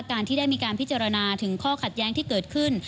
การที่ได้มีการพิจารณาถึงข้อขัดแย้งที่เกิดขึ้น